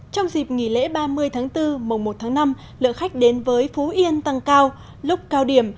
trong dịp nghỉ lễ ba mươi tháng bốn mùa một tháng năm lượng khách đến với phú yên tăng cao lúc cao điểm